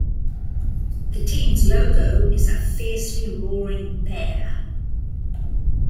The teams' logo is a fiercely roaring bear.